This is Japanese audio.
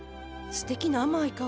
すてきな甘い香り。